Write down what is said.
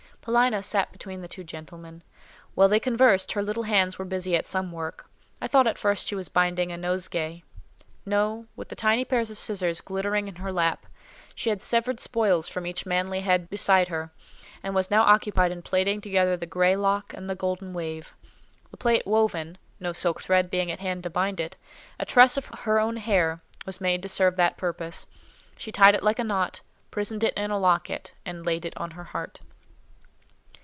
Paulina sat between the two gentlemen: while they conversed, her little hands were busy at some work; I thought at first she was binding a nosegay. No; with the tiny pair of scissors, glittering in her lap, she had severed spoils from each manly head beside her, and was now occupied in plaiting together the grey lock and the golden wave. The plait woven—no silk thread being at hand to bind it—a tress of her own hair was made to serve that purpose; she tied it like a knot, prisoned it in a locket, and laid it on her heart.